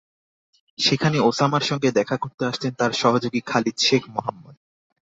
সেখানে ওসামার সঙ্গে দেখা করতে আসতেন তাঁর সহযোগী খালিদ শেখ মোহাম্মদ।